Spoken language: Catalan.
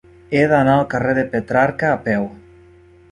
He d'anar al carrer de Petrarca a peu.